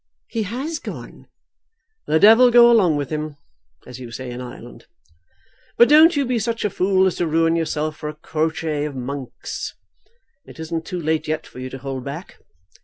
"He has gone." "The devil go along with him, as you say in Ireland. But don't you be such a fool as to ruin yourself for a crotchet of Monk's. It isn't too late yet for you to hold back.